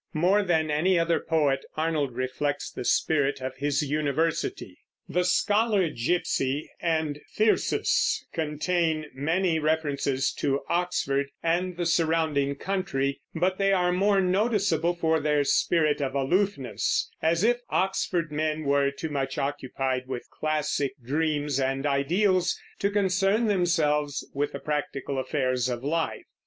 More than any other poet Arnold reflects the spirit of his university. "The Scholar Gipsy" and "Thyrsis" contain many references to Oxford and the surrounding country, but they are more noticeable for their spirit of aloofness, as if Oxford men were too much occupied with classic dreams and ideals to concern themselves with the practical affairs of life.